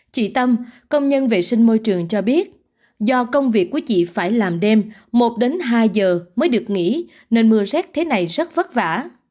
chị tâm công nhân vệ sinh môi trường cho biết do công việc của chị phải làm đêm một đến hai giờ mới được nghỉ nên mưa rét thế này rất vất vả